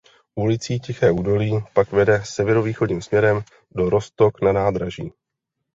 Ulicí Tiché údolí pak vede severovýchodním směrem do Roztok na nádraží.